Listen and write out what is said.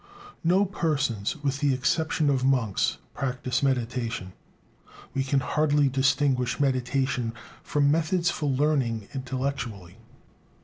No persons, with the exception of monks, practise meditation. We can hardly distinguish meditation from methods for "learning" intellectually.